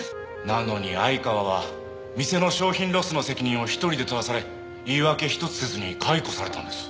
なのに相川は店の商品ロスの責任を一人で取らされ言い訳ひとつせずに解雇されたんです。